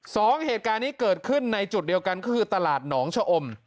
สองเหตุการณ์นี้เกิดขึ้นในจุดเดียวกันก็คือตลาดหนองชะอม